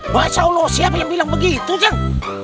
masya allah siapa yang bilang begitu jeng